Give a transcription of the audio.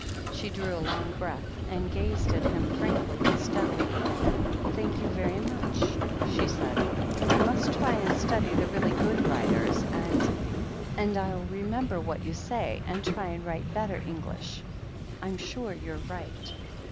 She drew a long breath, and gazed at him frankly and steadily. "Thank you very much," she said. "I must try and study the really good writers, and — ^and Fll remem ber what you say, and try and write better English. I'm sure you're right."